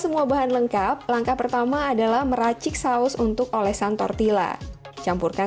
semua bahan lengkap langkah pertama adalah meracik saus untuk olesan tortilla campurkan